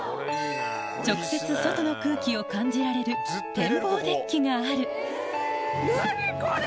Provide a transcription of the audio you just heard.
直接外の空気を感じられるがある何これ！